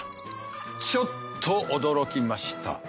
ちょっと驚きました。